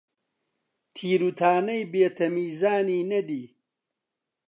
تیر و تانەی بێ تەمیزانی نەدی،